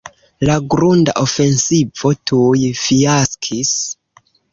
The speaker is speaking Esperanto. La grunda ofensivo tuj fiaskis.